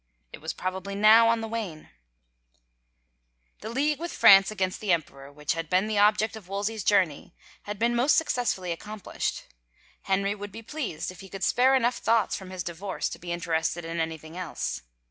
It was probably now on the wane. 136 THE ENLIGHTENMENT The league with France against the emperor, which had been the object of Wolsey's journey, had been most successfully accomplished. Henry would be pleased, if he could spare enough thoughts from his divorce to be interested in anything else.